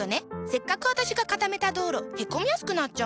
せっかく私が固めた道路へこみやすくなっちゃうの。